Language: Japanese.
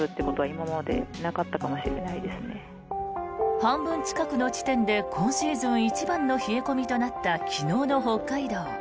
半分近くの地点で今シーズン一番の冷え込みとなった昨日の北海道。